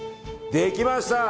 できました！